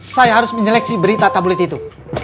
saya harus menyeleksi berita tablit itu